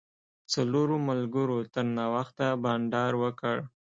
څلورو ملګرو تر ناوخته بانډار وکړ.